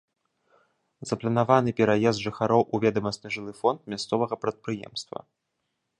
Запланаваны пераезд жыхароў у ведамасны жылы фонд мясцовага прадпрыемства.